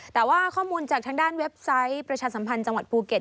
แต่ว่าข้อมูลจากทางด้านเว็บไซต์ประชาสัมพันธ์จังหวัดภูเก็ต